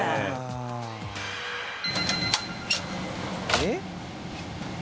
えっ？